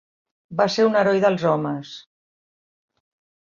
Va ser un heroi dels homes.